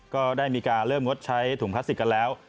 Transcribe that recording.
ก็ได้มีการเริ่มงดใช้ถุงพลาสติกกันแล้ว